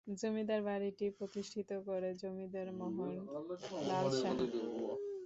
জমিদার বাড়িটি প্রতিষ্ঠিত করেন জমিদার মোহন লাল সাহা।